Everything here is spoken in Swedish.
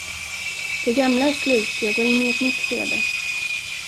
Det gamla är slut, jag går in i ett nytt skede.